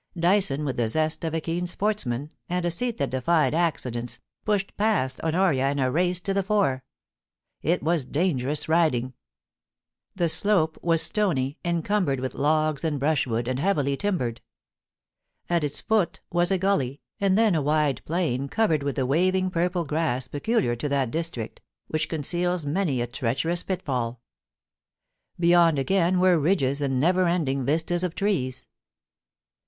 Dyson, with the zest of a keen sportsman, and a seat that defied accidents, pushed past Honoria in a race to the fore. It was dangerous riding. The slope was stony, encumbered with logs and brushwood, and heavily timbered. At its foot was a gully, and then a wide plain covered with the waving purple grass peculiar to that district, which con ceals many a treacherous pitfalL Beyond, again, were ridges and never ending vistas of trees.